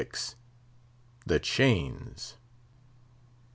THE CHAINS.